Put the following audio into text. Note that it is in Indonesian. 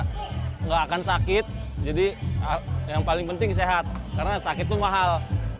tidak akan sakit jadi yang paling penting sehat karena sakit itu mahal